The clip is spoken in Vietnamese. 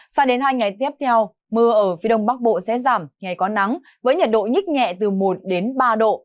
sao đến hai ngày tiếp theo mưa ở phía đông bắc bộ sẽ giảm ngày có nắng với nhiệt độ nhích nhẹ từ một đến ba độ